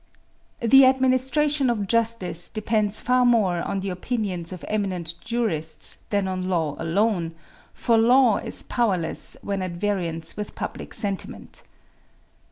"The administration of justice depends far more on the opinions of eminent jurists than on law alone, for law is powerless when at variance with public sentiment.